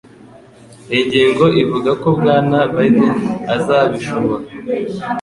Iyi ngingo ivuga ko Bwana Biden azabishobora